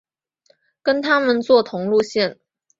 跟他们坐同路线